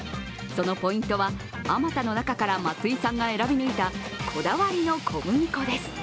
そのポイントは、あまたの中から松井さんが選び抜いたこだわりの小麦粉です。